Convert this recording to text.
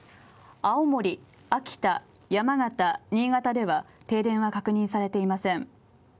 青森、秋田、山形、新潟では停電は確認されていません。